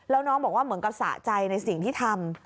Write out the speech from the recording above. แล้วน้องบอกว่าเหมือนกับสะใจในสิ่งที่ทำ